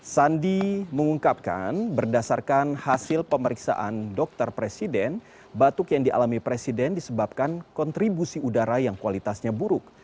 sandi mengungkapkan berdasarkan hasil pemeriksaan dokter presiden batuk yang dialami presiden disebabkan kontribusi udara yang kualitasnya buruk